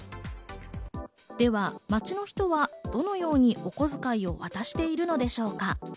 では街の人はどのようにお小遣いを渡しているのでしょうか。